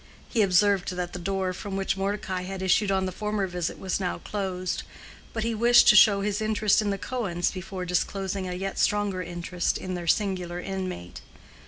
He observed that the door from which Mordecai had issued on the former visit was now closed, but he wished to show his interest in the Cohens before disclosing a yet stronger interest in their singular inmate.